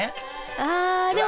あでも！